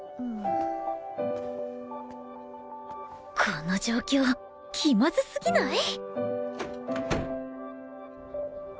この状況気まずすぎない！？